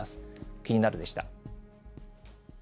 キニナル！でした。